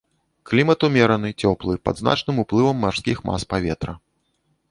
Клімат умераны, цёплы, пад значным уплывам марскіх мас паветра.